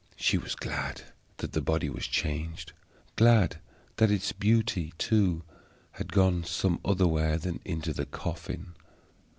She was glad that the body was changed; glad that its beauty, too, had gone some other where than into the coffin.